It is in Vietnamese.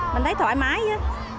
mình thấy thoải mái chứ